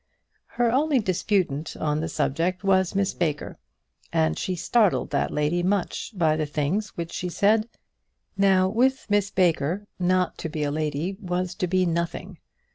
Her only disputant on the subject was Miss Baker, and she startled that lady much by the things which she said. Now, with Miss Baker, not to be a lady was to be nothing.